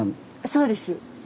そうです。